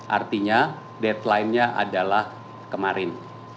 artinya deadline nya adalah kemarin